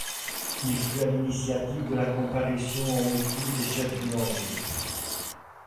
Il fut à l'initiative de la comparution en Haute Cour des chefs boulangistes.